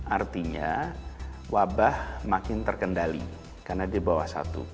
artinya wabah makin terkendali karena di bawah satu